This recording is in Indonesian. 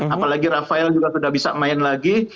apalagi rafael juga sudah bisa main lagi